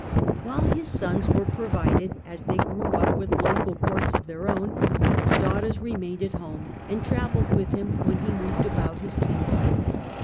While his sons were provided, as they grew up, with local courts of their own, his daughters remained at home, and travelled with him when he moved about his kingdom.